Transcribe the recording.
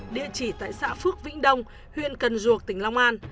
địa chỉ tại xã phước vĩnh đông huyện cần duộc tỉnh long an